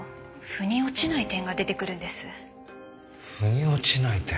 腑に落ちない点。